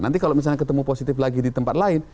nanti kalau misalnya ketemu positif lagi di tempat lain